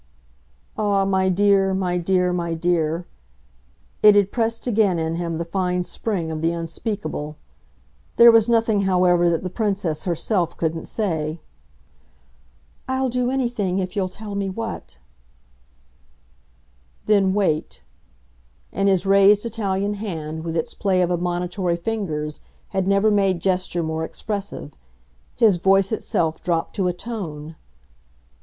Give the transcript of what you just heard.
"Ah, my dear, my dear, my dear!" it had pressed again in him the fine spring of the unspeakable. There was nothing, however, that the Princess herself couldn't say. "I'll do anything, if you'll tell me what." "Then wait." And his raised Italian hand, with its play of admonitory fingers, had never made gesture more expressive. His voice itself dropped to a tone